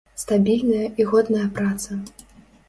Стабільная і годная праца.